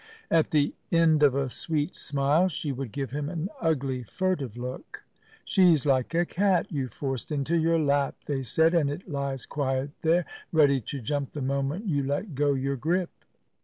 At the end of a sweet smile she would give him an ugly, furtive look. "She's like a cat you've forced into your lap," they said, "and it lies quiet there, ready to jump the moment you let go your grip."